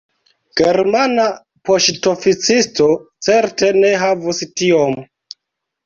Germana poŝtoficisto certe ne havus tiom.